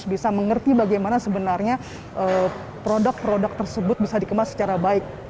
bisa mengerti bagaimana sebenarnya produk produk tersebut bisa dikemas secara baik